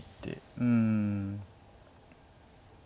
うん。